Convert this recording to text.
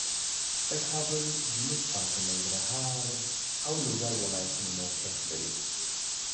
د کابل جنوب خواته ننګرهار او لوګر ولایتونه موقعیت لري